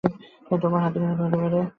তোমার হাতে নিহত হতে পারে।